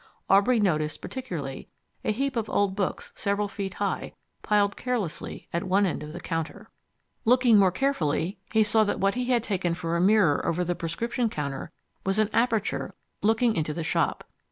Aubrey noticed particularly a heap of old books several feet high piled carelessly at one end of the counter. Looking more carefully, he saw that what he had taken for a mirror over the prescription counter was an aperture looking into the shop.